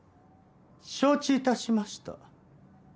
承知致しました。